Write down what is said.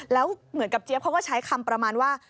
แล้วเหมือนกับเจี๊ยบเขาก็ใช้คำประมาณว่า